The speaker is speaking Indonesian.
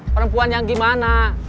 perempuan yang gimana